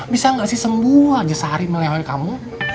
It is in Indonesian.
bisa gak sih sembuh aja sehari melewati kamu